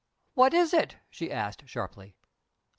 "What is it?" she asked, sharply.